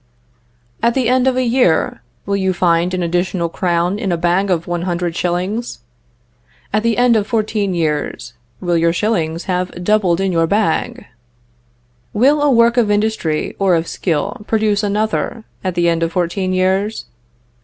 "At the end of a year, will you find an additional crown in a bag of one hundred shillings? At the end of fourteen years, will your shillings have doubled in your bag? "Will a work of industry or of skill produce another, at the end of fourteen years?